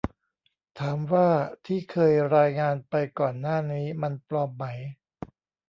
ถามว่าที่เคยรายงานไปก่อนหน้านี้มันปลอมไหม